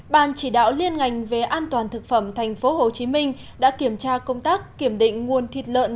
ban chỉ đạo liên ngành về an toàn thực phẩm tp hcm đã kiểm tra công tác kiểm định nguồn thịt lợn